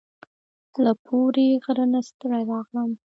له پوري غره نه ستړي راغلم